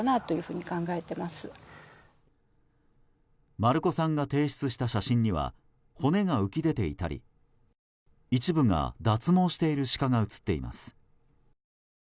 丸子さんが提出した写真には骨が浮き出ていたり一部が脱毛しているシカが映っています。